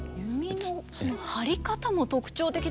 弓の張り方も特徴的ですよね。